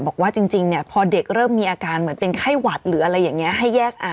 บอกว่าจริงพอเด็กเริ่มมีอาการเหมือนเป็นไข้หวัดหรืออะไรอย่างนี้